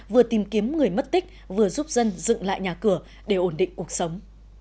vừa tìm kiếm người mất tích vừa giúp dân dựng lại nhà cửa để ổn định cuộc sống